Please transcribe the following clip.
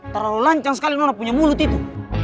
terlalu lancang sekali nona punya mulut itu